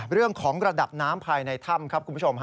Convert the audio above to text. เรื่องของระดับน้ำภายในถ้ำครับคุณผู้ชม